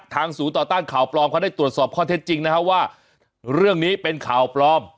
ศูนย์ต่อต้านข่าวปลอมเขาได้ตรวจสอบข้อเท็จจริงนะฮะว่าเรื่องนี้เป็นข่าวปลอม